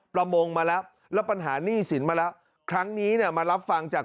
ประมงมาแล้วแล้วปัญหาหนี้สินมาแล้วครั้งนี้เนี่ยมารับฟังจาก